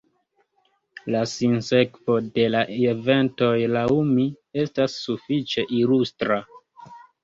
La sinsekvo de la eventoj, laŭ mi, estas sufiĉe ilustra.